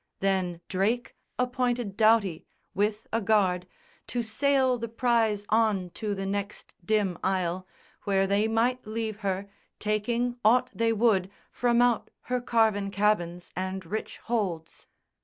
Then Drake appointed Doughty, with a guard, To sail the prize on to the next dim isle Where they might leave her, taking aught they would From out her carven cabins and rich holds.